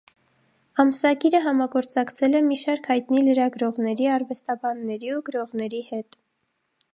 Ամսագիրը համագործակցել է մի շարք հայտնի լրագրողների, արվեստաբանների ու գրողների հետ։